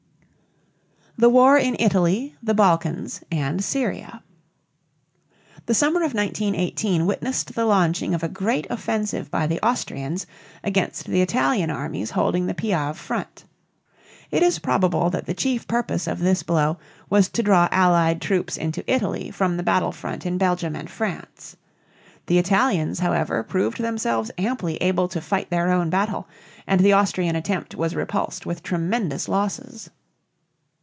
THE WAR IN ITALY, THE BALKANS, AND SYRIA. The summer of 1918 witnessed the launching of a great offensive by the Austrians against the Italian armies holding the Piave front. It is probable that the chief purpose of this blow was to draw Allied troops into Italy from the battle front in Belgium and France. The Italians, however, proved themselves amply able to fight their own battle, and the Austrian attempt was repulsed with tremendous losses.